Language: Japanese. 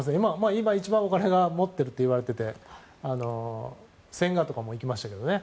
今、すごくお金を持っているといわれていて千賀とかも行きましたけどね。